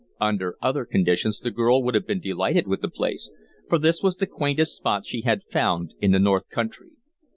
Under other conditions the girl would have been delighted with the place, for this was the quaintest spot she had found in the north country.